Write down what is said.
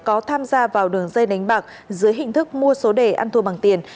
có tham gia vào đường dây đánh bạc dưới hình thức mua số đề ăn thua bằng tiền